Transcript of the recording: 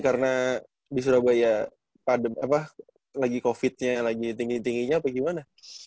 karena di surabaya lagi covid nya lagi tinggi tingginya apa gimana